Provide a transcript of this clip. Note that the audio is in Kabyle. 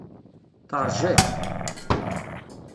Teṛja-k.